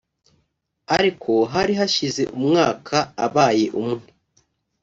ariko hari hashize umwaka abaye umwe